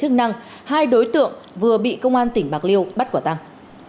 chức năng hai đối tượng vừa bị công an tỉnh bạc liêu bắt quả tăng